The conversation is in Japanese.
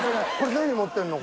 何持ってるの？